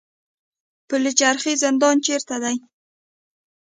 پل چرخي زندان چیرته دی؟